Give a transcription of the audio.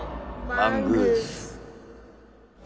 マングース